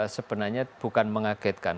sebenarnya bukan mengagetkan